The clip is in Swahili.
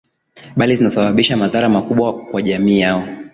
Bali zinasababisha madhara makubwa kwa jamii yao